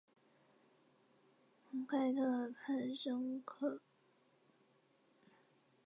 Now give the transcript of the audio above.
盖特河畔圣科隆布。